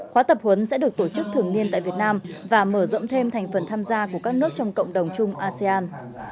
khóa tập huấn sẽ được tổ chức thường niên tại việt nam và mở rộng thêm thành phần tham gia của các nước trong cộng đồng chung asean